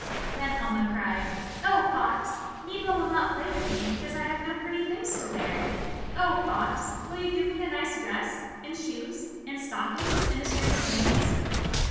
Then Alma cried: "Oh, Fox, Niebla will not play with me because I have no pretty things to wear! Oh, Fox, will you give me a nice dress, and shoes and stockings, and a string of beads?"